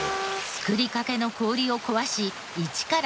作りかけの氷を壊し一からやり直し。